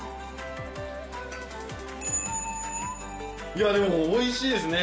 いやでも美味しいですね。